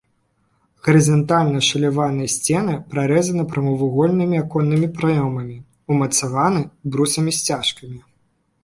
Гарызантальна ашаляваныя сцены прарэзаны прамавугольнымі аконнымі праёмамі, умацаваны брусамі-сцяжкамі.